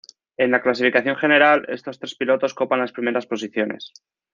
En la clasificación general, estos tres pilotos copan las primeras posiciones.